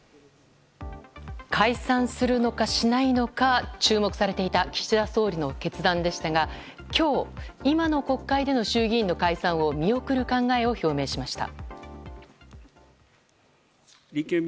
解散するのかしないのか注目されていた岸田総理の決断でしたが今日、今の国会での衆議院の解散を見送る考えを表明しました。